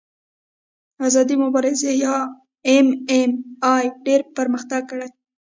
آزادې مبارزې یا ایم ایم اې ډېر پرمختګ کړی.